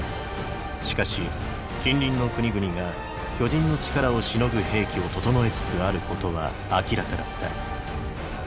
しかし近隣の国々が巨人の力をしのぐ兵器を整えつつあることは明らかだった。